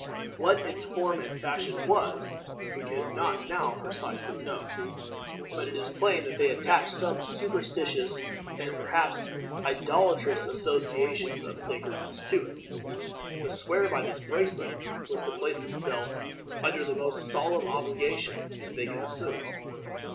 What its form and fashion was we can not now precisely know; but it is plain that they attached some superstitious, and perhaps idolatrous associations of sacredness to it. To swear by this bracelet was to place themselves under the most solemn obligation that they could assume.